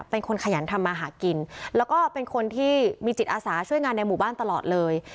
เป็นคนขยันทำมาหากินแล้วก็เป็นคนที่มีจิตอาสาช่วยงานในหมู่บ้านตลอดเลย